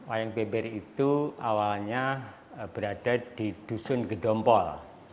nah wayang beber itu awalnya berada di dusun gedombol